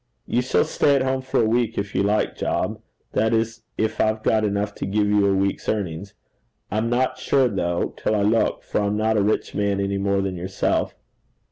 'You shall stay at home for a week if you like, Job that is if I've got enough to give you a week's earnings. I'm not sure though till I look, for I'm not a rich man any more than yourself.'